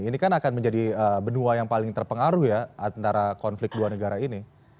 ini kan akan menjadi benua yang paling terpengaruh ya antara konflik dua negara ini